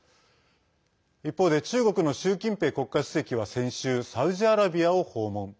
一方で中国の習近平国家主席は先週、サウジアラビアを訪問。